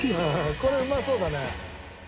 これうまそうだね。